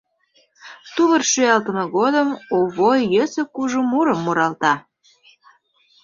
Тувыр шӱалтыме годым Овой йӧсӧ кужу мурым муралта.